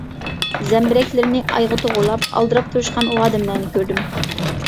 زەمبىرەكلىرىنى ئايغا توغرىلاپ ئالدىراپ تۇرۇشقان ئۇ ئادەملەرنى كۆردۈم.